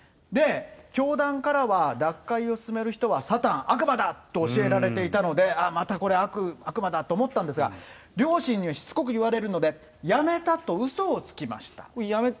教団からは、脱会を進める人はサタン、悪魔だと教えられていたので、またこれ、悪魔だと思ったんですが、両親にしつこく言われるので、辞めたとうそをつきました。